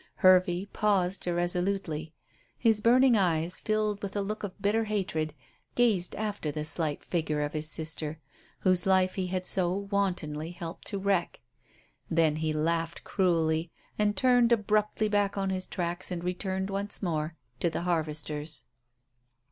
Hervey paused irresolutely. His burning eyes, filled with a look of bitter hatred, gazed after the slight figure of his sister, whose life he had so wantonly helped to wreck. Then he laughed cruelly and turned abruptly back on his tracks and returned once more to the harvesters.